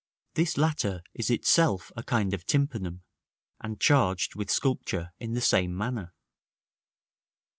This latter is itself a kind of tympanum, and charged with sculpture in the same manner.